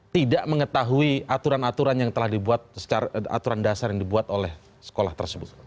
tidak mengetahui aturan aturan yang telah dibuat aturan dasar yang dibuat oleh sekolah tersebut